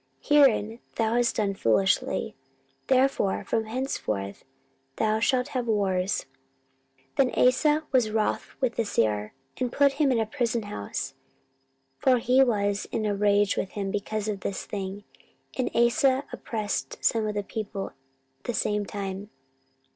Herein thou hast done foolishly: therefore from henceforth thou shalt have wars. 14:016:010 Then Asa was wroth with the seer, and put him in a prison house; for he was in a rage with him because of this thing. And Asa oppressed some of the people the same time.